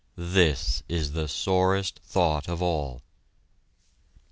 This is the sorest thought of all!